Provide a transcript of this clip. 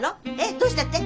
どうしたって？